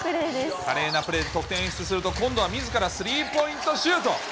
華麗なプレーで得点を演出すると今度はみずからスリーポイントシュート。